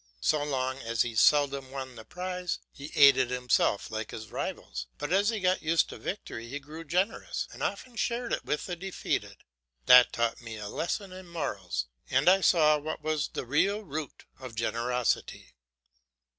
So long as he seldom won the prize, he ate it himself like his rivals, but as he got used to victory he grew generous, and often shared it with the defeated. That taught me a lesson in morals and I saw what was the real root of generosity.